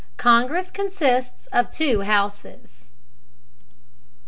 CONGRESS CONSISTS OF TWO HOUSES.